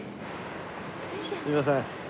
すいません。